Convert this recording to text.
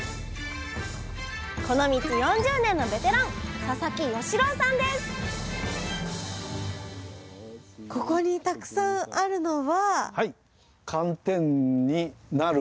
この道４０年のベテランここにたくさんあるのは？